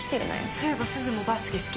そういえばすずもバスケ好きだよね？